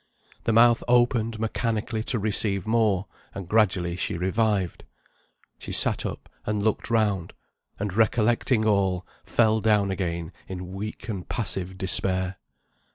The mouth opened mechanically to receive more, and gradually she revived. She sat up and looked round; and recollecting all, fell down again in weak and passive despair.